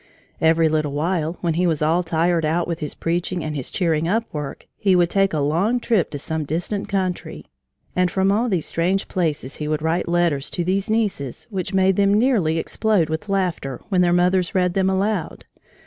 Every little while, when he was all tired out with his preaching and his cheering up work, he would take a long trip to some distant country, and from all these strange places he would write letters to these nieces which made them nearly explode with laughter when their mothers read them aloud.